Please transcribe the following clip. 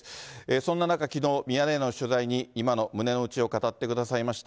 そんな中、きのう、ミヤネ屋の取材に、今の胸の内を語ってくださいました